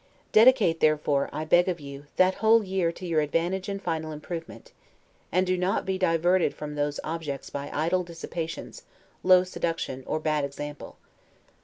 Dedicate, therefore, I beg of you, that whole year to your own advantage and final improvement, and do not be diverted from those objects by idle dissipations, low seduction, or bad example.